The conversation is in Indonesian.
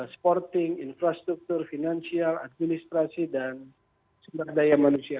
sporting infrastruktur finansial administrasi dan sumber daya manusia